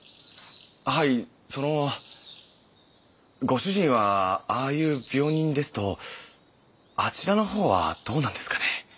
はいそのご主人はああいう病人ですとあちらの方はどうなんですかね？